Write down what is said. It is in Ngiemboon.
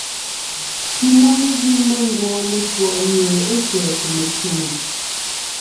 Pi ná mezíŋ mengwoon lekùɔ mie ée tsɛ̀ɛ kème shwòŋo.